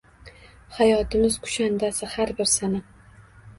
Hayotimiz kushandasi har bir sana –